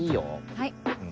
はい。